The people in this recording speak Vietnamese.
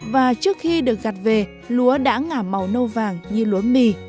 và trước khi được gặt về lúa đã ngả màu nâu vàng như lúa mì